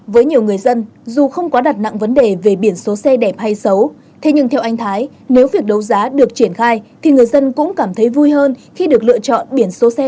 với nhiều người dân dù không quá đặt nặng vấn đề về biển số xe đẹp hay xấu thế nhưng theo anh thái nếu việc đấu giá được triển khai thì người dân cũng cảm thấy vui hơn khi được lựa chọn biển số xe